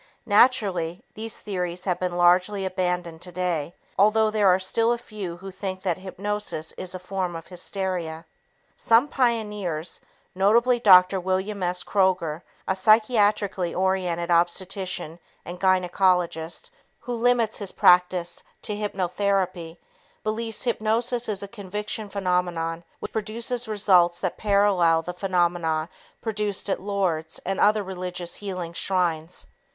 Naturally, these theories have been largely abandoned today, although there are still a few who think that hypnosis is a form of hysteria. Some pioneers, notably Dr. William S. Kroger, a psychiatrically oriented obstetrician and gynecologist who limits his practice to hypnotherapy, believe hypnosis is a conviction phenomenon which produces results that parallel the phenomena produced at Lourdes and other religious healing shrines.